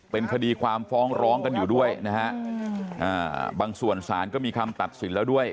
เป็นคดีความฟ้องร้องกันอยู่ด้วยนะฮะบางส่วนสารก็มีคำตัดสินแล้วด้วย